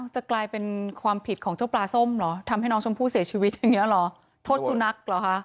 จะกลายเป็นความผิดของเจ้าปลาส้มเหรอทำให้น้องชมพู่เสียชีวิตอย่างนี้เหรอโทษสุนัขเหรอคะ